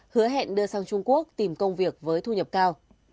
hứa hẹn đưa sang trung quốc tìm công việc với thu nhập cao